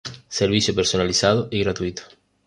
Servicio personalizado y gratuito.